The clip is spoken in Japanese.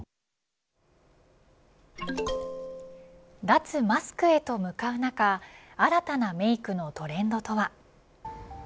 脱マスクへと向かう中新たなメークのトレンドとは。